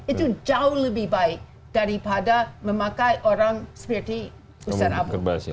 itu jauh lebih baik daripada memakai orang seperti ustaz